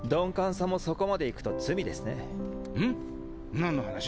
何の話？